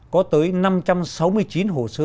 có tới năm trăm sáu mươi chín hồ sơ